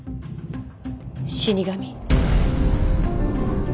死神。